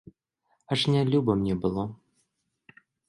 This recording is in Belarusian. Аж нялюба мне было.